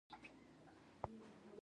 _له چا سره خو به دي نه و ي خوړلي؟